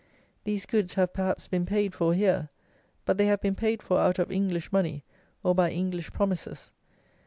These goods have perhaps been paid for here, but they have been paid for out of English money or by English promises.